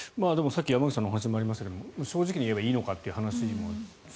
でも、さっき山口さんの話にもありましたが正直に言えばいいのかという話にも。